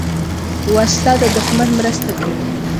وسله د دوښمن مرسته کوي